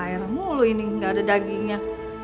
air mulu ini nggak ada dagingnya